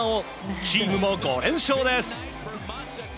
チームも５連勝です。